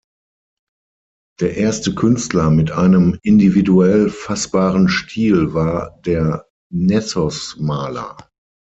Der erste Künstler mit einem individuell fassbaren Stil war der Nessos-Maler.